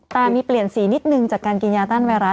ตามีเปลี่ยนสีนิดนึงจากการกินยาต้านไวรัส